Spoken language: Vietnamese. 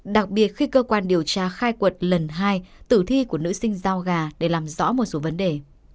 đặc biệt khi cơ quan điều tra khai quật lần hai tử thi của nữ sinh giao gà để làm rõ một số vấn đề